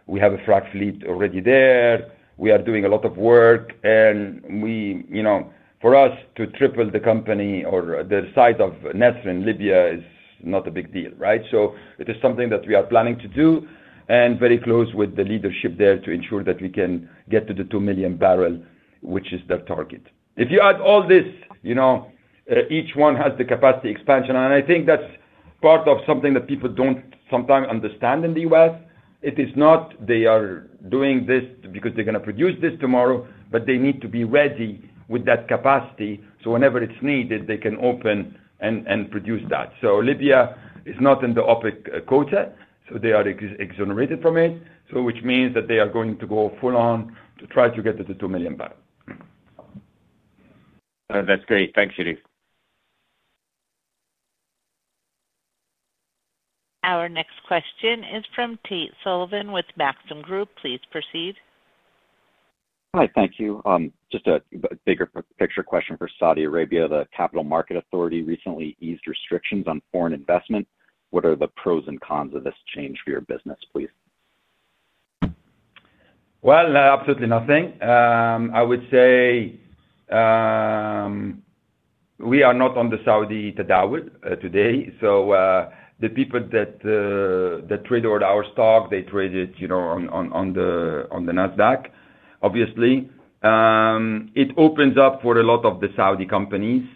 We have a frac fleet already there. We are doing a lot of work, and we. You know, for us to triple the company or the size of NESR in Libya is not a big deal, right? So it is something that we are planning to do and very close with the leadership there to ensure that we can get to the 2 million barrel, which is their target. If you add all this, you know, each one has the capacity expansion, and I think that's part of something that people don't sometimes understand in the U.S. It is not they are doing this because they're gonna produce this tomorrow, but they need to be ready with that capacity, so whenever it's needed, they can open and produce that. So Libya is not in the OPEC quota, so they are exonerated from it, so which means that they are going to go full on to try to get to the 2 million barrel. That's great. Thanks, Sherif. Our next question is from Tate Sullivan with Maxim Group. Please proceed. Hi, thank you. Just a bigger picture question for Saudi Arabia. The Capital Market Authority recently eased restrictions on foreign investment. What are the pros and cons of this change for your business, please?... Well, absolutely nothing. I would say, we are not on the Saudi Tadawul today. So, the people that trade on our stock, they trade it, you know, on the Nasdaq, obviously. It opens up for a lot of the Saudi companies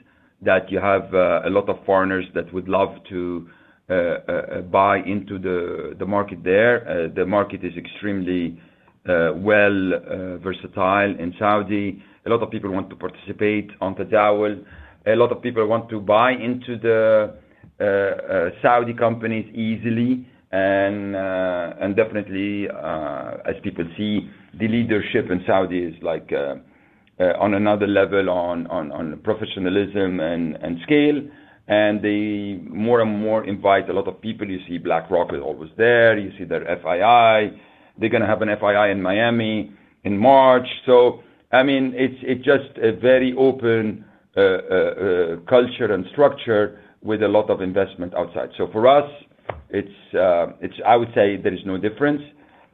that you have, a lot of foreigners that would love to buy into the market there. The market is extremely well versatile in Saudi. A lot of people want to participate on Tadawul. A lot of people want to buy into the Saudi companies easily. And definitely, as people see, the leadership in Saudi is like on another level, on professionalism and scale, and they more and more invite a lot of people. You see BlackRock is always there. You see their FII. They're gonna have an FII in Miami in March. So I mean, it's just a very open culture and structure with a lot of investment outside. So for us, it's-- I would say there is no difference,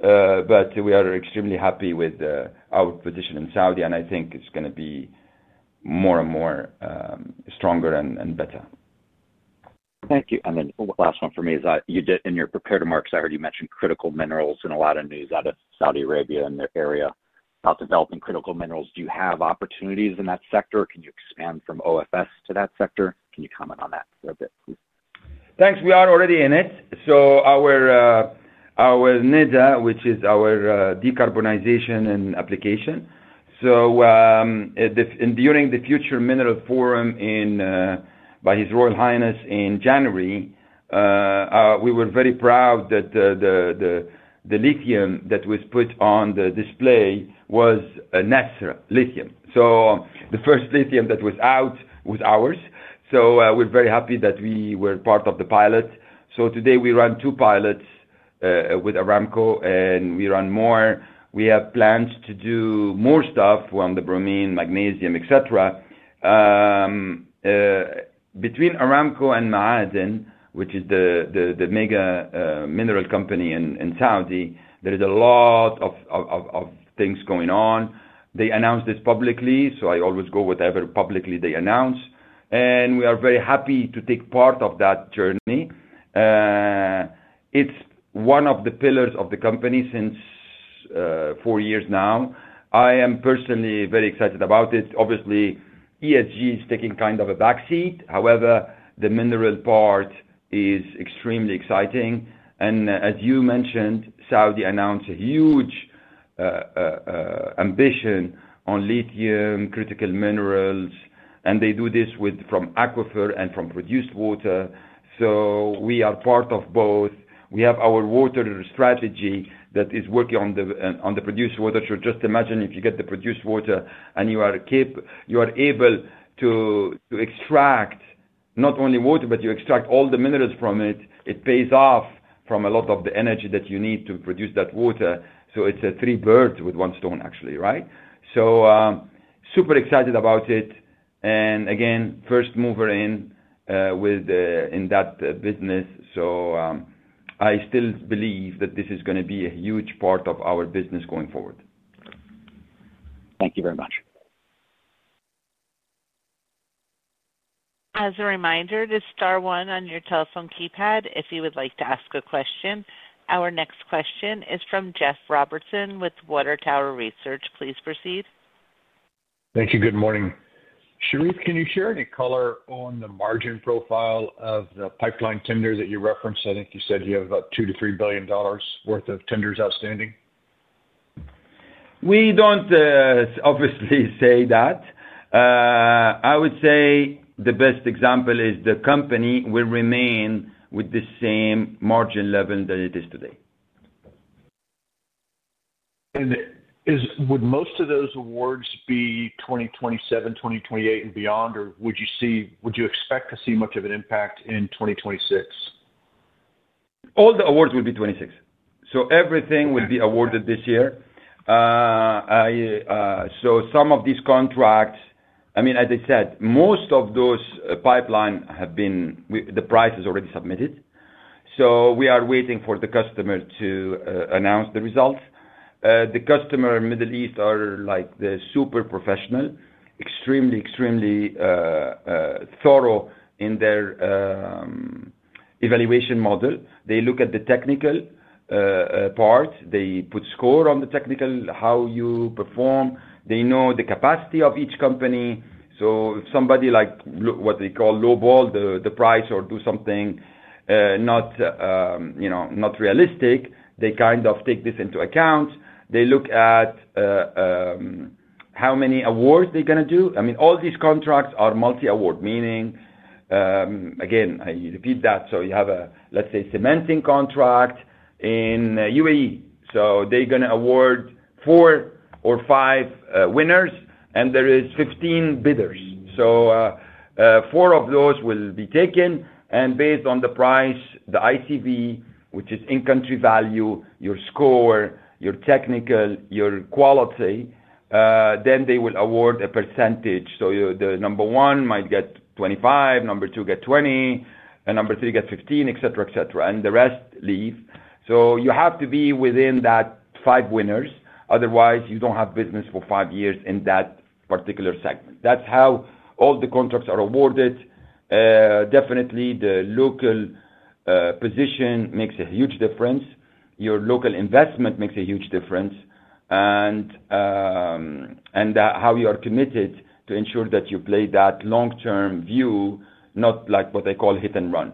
but we are extremely happy with our position in Saudi, and I think it's gonna be more and more stronger and better. Thank you. And then last one for me is that you did in your prepared remarks, I heard you mention critical minerals in a lot of news out of Saudi Arabia and their area about developing critical minerals. Do you have opportunities in that sector? Can you expand from OFS to that sector? Can you comment on that a little bit, please? Thanks. We are already in it. So our NEDA, which is our decarbonization and application. So, during the Future Minerals Forum in, by His Royal Highness in January, we were very proud that the lithium that was put on the display was a NEOM lithium. So the first lithium that was out was ours. So, we're very happy that we were part of the pilot. So today, we run two pilots with Aramco, and we run more. We have plans to do more stuff on the bromine, magnesium, et cetera. Between Aramco and Ma'aden, which is the mega mineral company in Saudi, there is a lot of things going on. They announced this publicly, so I always go whatever publicly they announce, and we are very happy to take part of that journey. It's one of the pillars of the company since four years now. I am personally very excited about it. Obviously, ESG is taking kind of a backseat. However, the mineral part is extremely exciting, and as you mentioned, Saudi announced a huge ambition on lithium, critical minerals, and they do this with, from aquifer and from produced water. So we are part of both. We have our water strategy that is working on the produced water. So just imagine if you get the produced water and you are able to extract not only water, but you extract all the minerals from it, it pays off from a lot of the energy that you need to produce that water. So it's a three birds with one stone, actually, right? So, super excited about it. And again, first mover in that business. So, I still believe that this is gonna be a huge part of our business going forward. Thank you very much. As a reminder, this is star one on your telephone keypad, if you would like to ask a question. Our next question is from Jeff Robertson with Water Tower Research. Please proceed. Thank you. Good morning. Sherif, can you share any color on the margin profile of the pipeline tender that you referenced? I think you said you have about $2 billion-$3 billion worth of tenders outstanding. We don't, obviously say that. I would say the best example is the company will remain with the same margin level that it is today. Would most of those awards be 2027, 2028, and beyond? Or would you expect to see much of an impact in 2026? All the awards will be 26, so everything will be awarded this year. So some of these contracts—I mean, as I said, most of those pipeline have been. The price is already submitted, so we are waiting for the customer to announce the results. The customer in Middle East are, like, the super professional. Extremely, extremely thorough in their evaluation model. They look at the technical part. They put score on the technical, how you perform. They know the capacity of each company. So if somebody like, what they call lowball the price or do something, not you know, not realistic, they kind of take this into account. They look at how many awards they're gonna do. I mean, all these contracts are multi-award, meaning, again, I repeat that. So you have a, let's say, cementing contract in UAE. So they're gonna award four or five winners, and there is 16 bidders. So, four of those will be taken, and based on the price, the ICV, which is in-country value, your score, your technical, your quality, then they will award a percentage. So the number one might get 25, number two get 20, and number three get 15, et cetera, et cetera, and the rest leave.... So you have to be within that five winners, otherwise you don't have business for five years in that particular segment. That's how all the contracts are awarded. Definitely, the local position makes a huge difference. Your local investment makes a huge difference. How you are committed to ensure that you play that long-term view, not like what they call hit and run.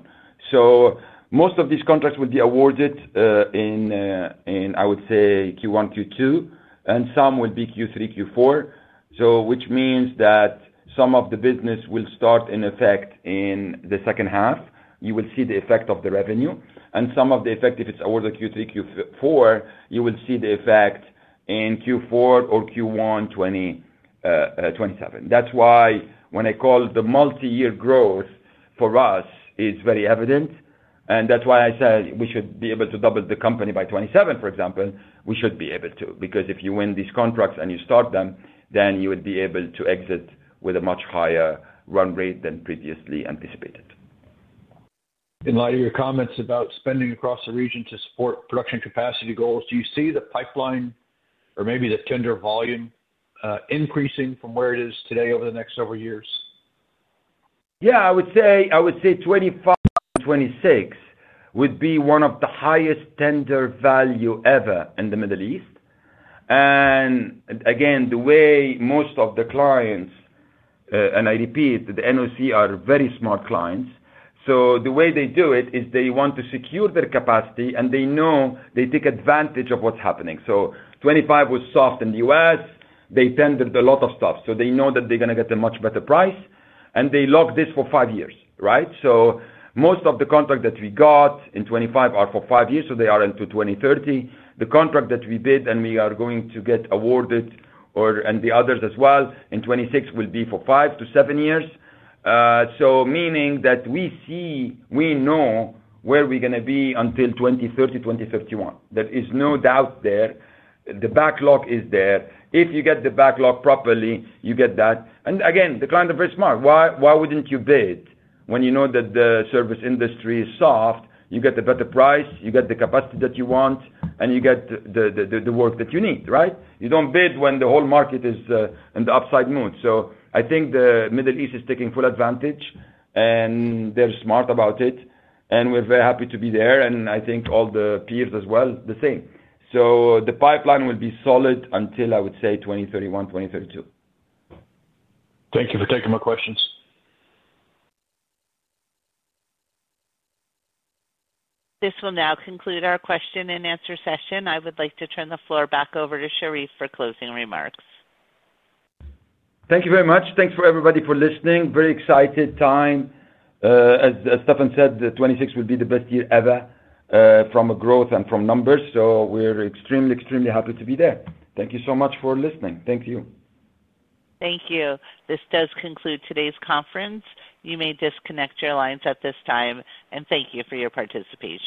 So most of these contracts will be awarded in, I would say, Q1, Q2, and some will be Q3, Q4. So which means that some of the business will start in effect in the second half. You will see the effect of the revenue, and some of the effect, if it's awarded Q3, Q4, you will see the effect in Q4 or Q1 2027. That's why when I call the multi-year growth, for us, it's very evident, and that's why I say we should be able to double the company by 2027, for example. We should be able to, because if you win these contracts and you start them, then you would be able to exit with a much higher run rate than previously anticipated. In light of your comments about spending across the region to support production capacity goals, do you see the pipeline or maybe the tender volume, increasing from where it is today over the next several years? Yeah, I would say, I would say 2025, 2026 would be one of the highest tender value ever in the Middle East. And again, the way most of the clients, and I repeat, the NOC are very smart clients. So the way they do it is they want to secure their capacity, and they know they take advantage of what's happening. So 2025 was soft in the U.S. They tendered a lot of stuff, so they know that they're gonna get a much better price, and they lock this for five years, right? So most of the contract that we got in 2025 are for five years, so they are into 2030. The contract that we bid and we are going to get awarded, and the others as well, in 2026 will be for five to seven years. So meaning that we see, we know where we're gonna be until 2030, 2051. There is no doubt there. The backlog is there. If you get the backlog properly, you get that. And again, the clients are very smart. Why, why wouldn't you bid when you know that the service industry is soft? You get the better price, you get the capacity that you want, and you get the work that you need, right? You don't bid when the whole market is in the upside mood. So I think the Middle East is taking full advantage, and they're smart about it, and we're very happy to be there, and I think all the peers as well, the same. So the pipeline will be solid until, I would say, 2031, 2032. Thank you for taking my questions. This will now conclude our question and answer session. I would like to turn the floor back over to Sherif for closing remarks. Thank you very much. Thanks for everybody for listening. Very excited time. As Stefan said, 2026 will be the best year ever, from a growth and from numbers. So we're extremely, extremely happy to be there. Thank you so much for listening. Thank you. Thank you. This does conclude today's conference. You may disconnect your lines at this time, and thank you for your participation.